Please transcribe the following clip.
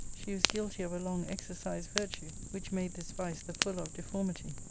She was guilty of a long exercised virtue, which made this vice the fuller of deformity.